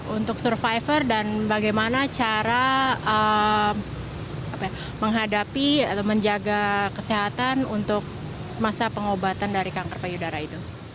untuk survivor dan bagaimana cara menghadapi atau menjaga kesehatan untuk masa pengobatan dari kanker payudara itu